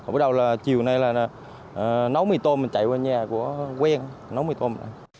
bắt đầu là chiều nay là nấu mì tôm mình chạy qua nhà của quen nấu mì tôm